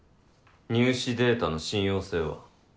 入試データの信用性は？